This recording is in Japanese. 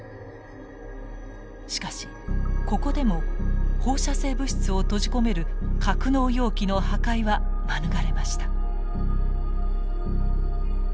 しかしここでも放射性物質を閉じ込める格納容器の破壊は免れました。